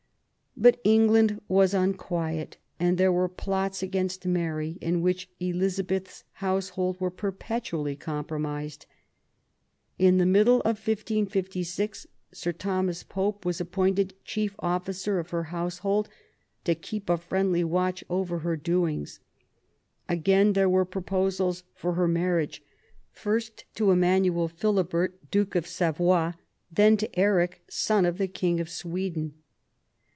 But England was unquiet ; and there were plots against Mary in which Elizabeth's household were perpetually compromised. In the middle of 1556 Sir Thomas Pope was appointed chief officer of her household, to keep a friendly watch over her doings. Again there were proposals for her marriage, first to Emmanuel Philibert, Duke of Savoy, then to Eric, son of the King of Sweden.